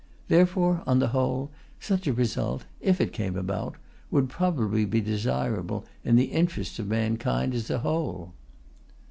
Therefore, on the whole, such a result, if it came about, would probably be desirable In the interests of mankind as a whole.